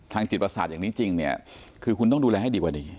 จิตประสาทอย่างนี้จริงเนี่ยคือคุณต้องดูแลให้ดีกว่านี้